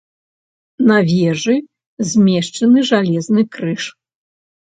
На вежы змешчаны жалезны крыж.